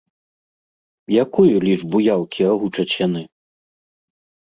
Якую лічбу яўкі агучаць яны?